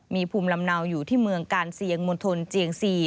มีภูมิลำเนาอยู่ที่เมืองกาลเซียงมณฑลเจียง๔